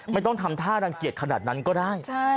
ไม่ต้องทำท่ารังเกียจขนาดนั้นก็ได้